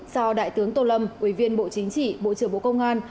do đại tướng tô lâm ủy viên bộ chính trị bộ trưởng bộ công an